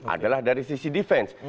adalah dari sisi defense